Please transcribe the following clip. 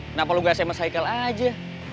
kenapa lu gak sms haikal aja